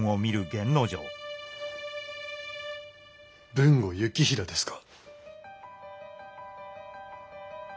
豊後行平ですか？